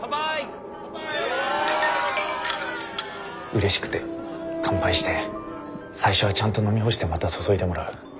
うれしくて乾杯して最初はちゃんと飲み干してまた注いでもらう。